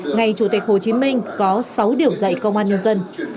ngày chủ tịch hồ chí minh có sáu điểm dạy công an nhân dân